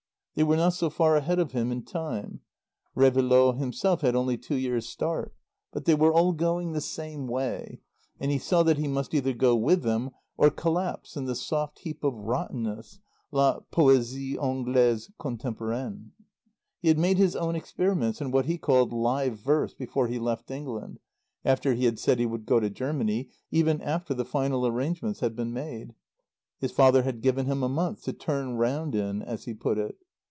They were not so far ahead of him in time; Réveillaud himself had only two years' start; but they were all going the same way, and he saw that he must either go with them or collapse in the soft heap of rottenness, "la poésie anglaise contemporaine." He had made his own experiments in what he called "live verse" before he left England, after he had said he would go to Germany, even after the final arrangements had been made. His father had given him a month to "turn round in," as he put it.